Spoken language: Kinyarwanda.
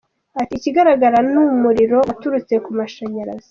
Ati “Ikigaragara ni umuriro waturutse ku mashanyarazi.